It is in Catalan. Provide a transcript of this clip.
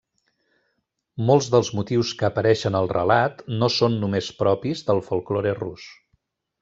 Molts dels motius que apareixen al relat no són només propis del folklore Rus.